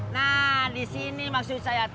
nah di sini maksud saya